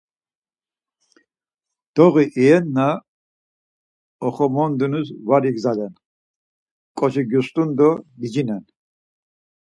Doği iyenna oxomonduniz var igzalen, ǩoçi ngyustun do dicinen.